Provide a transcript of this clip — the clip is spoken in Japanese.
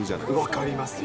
分かりますよ。